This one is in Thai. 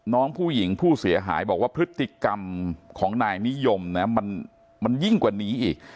น้องผู้หญิงผู้เสียหายบอกว่าพฤติกรรมของนายนิยมนะมันยิ่งกว่านี้อีก